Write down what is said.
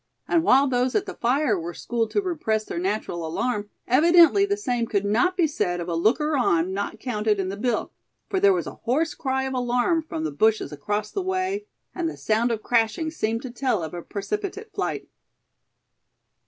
And while those at the fire were schooled to repress their natural alarm, evidently the same could not be said of a looker on not counted in the bill; for there was a hoarse cry of alarm from the bushes across the way, and the sound of crashing seemed to tell of a precipitate flight.